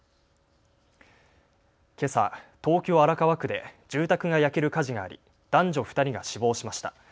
けさ東京荒川区で住宅が焼ける火事があり男女２人が死亡しました。